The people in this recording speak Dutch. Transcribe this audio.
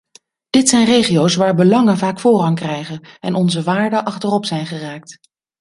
Dit zijn regio's waar belangen vaak voorrang krijgen en onze waarden achterop zijn geraakt.